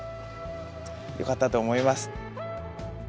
よかったと思います。